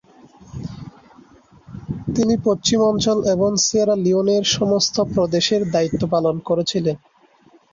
তিনি পশ্চিম অঞ্চল এবং সিয়েরা লিওনের সমস্ত প্রদেশে দায়িত্ব পালন করেছিলেন।